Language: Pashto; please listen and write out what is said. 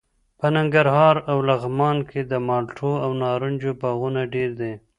په ننګرهار او لغمان کې د مالټو او نارنجو باغونه ډېر دي.